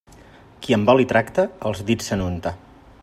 Qui amb oli tracta, els dits se n'unta.